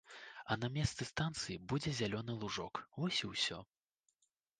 А на месцы станцыі будзе зялёны лужок, вось і ўсё.